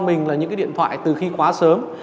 mình là những điện thoại từ khi quá sớm